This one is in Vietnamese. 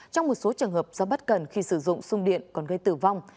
trong một số trường hợp do bất cần khi sử dụng sung điện còn gây tử vong